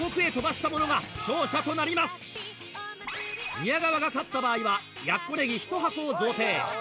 宮川が勝った場合はやっこネギ１箱を贈呈。